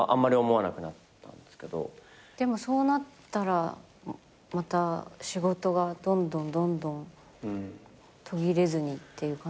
でもそうなったらまた仕事がどんどんどんどん途切れずにっていう感じじゃない？